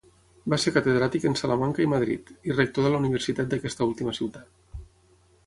Va ser catedràtic en Salamanca i Madrid, i rector de la universitat d'aquesta última ciutat.